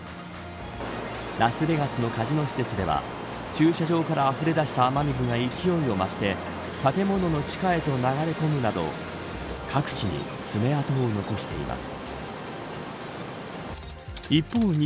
ラスベガスのカジノ施設では駐車場からあふれ出した雨水が勢いを増して建物の地下へと流れ込むなど各地に爪痕を残しています。